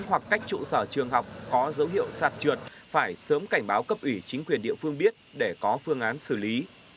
hoặc cách trụ sở trường học có dấu hiệu sạt trượt phải sớm cảnh báo cấp ủy chính quyền địa phương biết để có phương án xử lý